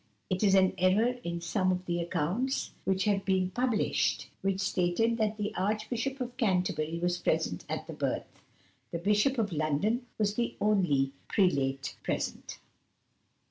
It is an error in some of the accounts which have been published which stated that the Archbishop of Canterbury was present at the birth. The Bishop of London was the only prelate present.